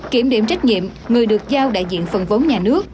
kiểm điểm trách nhiệm người được giao đại diện phần vốn nhà nước